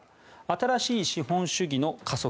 新しい資本主義の加速